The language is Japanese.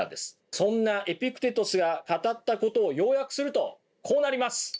そんなエピクテトスが語ったことを要約するとこうなります。